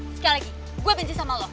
sekali lagi gue janji sama lo